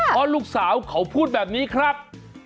เพราะลูกสาวเขาพูดแบบนี้ครับ